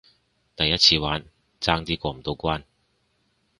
第一次玩，爭啲過唔到關